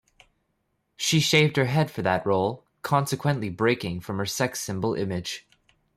She shaved her head for that role, consequently breaking from her sex symbol image.